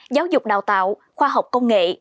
giáo dục đào tạo khoa học công nghệ